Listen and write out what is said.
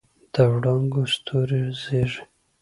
د وړانګو ستوري زیږي